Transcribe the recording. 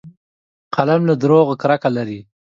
قلم له دروغو کرکه لري